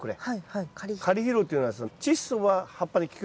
カリ肥料っていうのはチッ素は葉っぱに効く。